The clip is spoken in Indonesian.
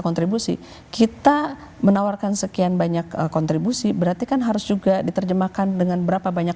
kontribusi kita menawarkan sekian banyak kontribusi berarti kan harus juga diterjemahkan dengan berapa banyak